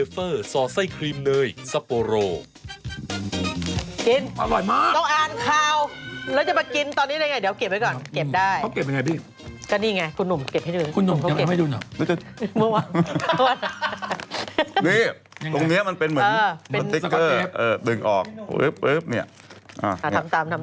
ถ้าเราอยากให้เรียกว่าหลุดก็สบายใจเรานะ